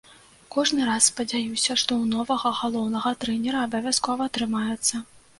Кожны раз спадзяюся, што ў новага галоўнага трэнера абавязкова атрымаецца.